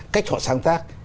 cách họ sáng tác